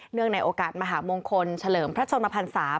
เนื่องในโอกาสมหาวงคลเฉลิมพระชงภัณฑ์สาว